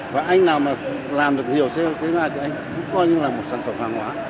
và anh nào mà làm được hiểu xếp ra thì anh cũng coi như là một sản phẩm hàng hóa